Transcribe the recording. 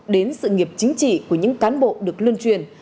đến sự nghiệp chính trị của những cán bộ được luân truyền